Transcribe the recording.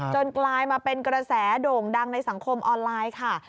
กลายมาเป็นกระแสโด่งดังในสังคมออนไลน์ค่ะ